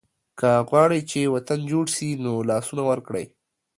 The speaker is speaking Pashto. که غواړئ چې وطن جوړ شي نو لاسونه ورکړئ.